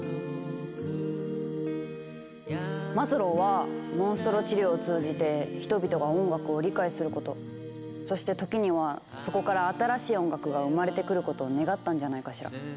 マズローはモンストロ治療を通じて人々が音楽を理解することそして時にはそこから「新しい音楽」が生まれてくることを願ったんじゃないかしら。